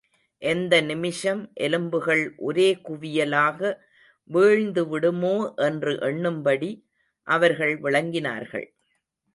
எந்த நிமிஷம் எலும்புகள் ஒரே குவியலாக வீழ்ந்துவிடுமோ என்று எண்ணும்படி அவர்கள் விளங்கினார்கள்.